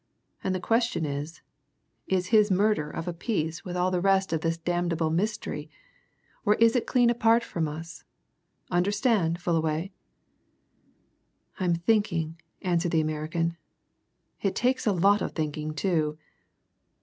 And the question is is his murder of a piece with all the rest of this damnable mystery, or is it clean apart from it? Understand, Fullaway?" "I'm thinking," answered the American. "It takes a lot of thinking, too."